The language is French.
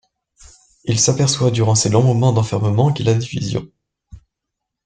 Il s'aperçoit durant ces longs moments d'enfermement qu'il a des visions.